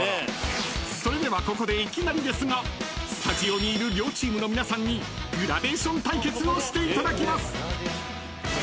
［それではここでいきなりですがスタジオにいる両チームの皆さんにグラデーション対決をしていただきます］